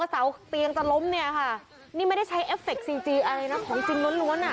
เสาเตียงจะล้มเนี่ยค่ะนี่ไม่ได้ใช้เอฟเคซีจีอะไรนะของจริงล้วนล้วนอ่ะ